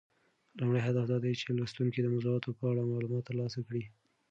لومړی هدف دا دی چې لوستونکي د موضوعاتو په اړه معلومات ترلاسه کړي.